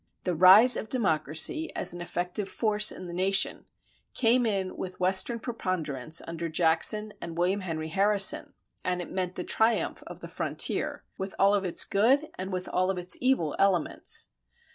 The rise of democracy as an effective force in the nation came in with western preponderance under Jackson and William Henry Harrison, and it meant the triumph of the frontier with all of its good and with all of its evil elements.